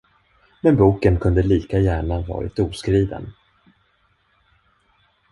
Men boken kunde lika gärna varit oskriven.